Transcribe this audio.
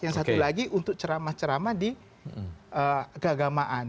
yang satu lagi untuk ceramah ceramah di keagamaan